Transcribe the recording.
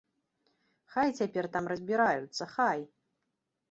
Хай цяпер там разбіраюцца, хай!